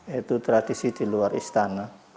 yaitu tradisi di luar istana